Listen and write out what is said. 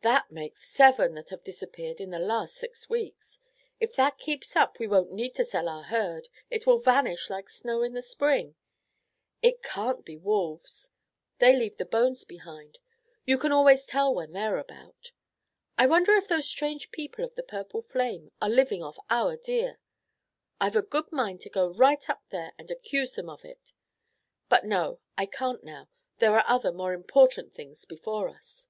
"That makes seven that have disappeared in the last six weeks. If that keeps up we won't need to sell our herd; it will vanish like snow in the spring. It can't be wolves. They leave the bones behind. You can always tell when they're about. I wonder if those strange people of the purple flame are living off our deer? I've a good mind to go right up there and accuse them of it. But no, I can't now; there are other more important things before us."